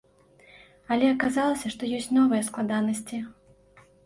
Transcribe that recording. Але аказалася, што ёсць новыя складанасці.